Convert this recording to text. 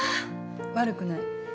悪くない。